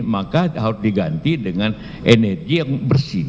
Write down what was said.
maka harus diganti dengan energi yang bersih